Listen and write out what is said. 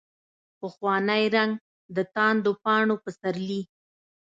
پخوانی رنګ، دتاندو پاڼو پسرلي